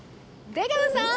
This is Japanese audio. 出川さん！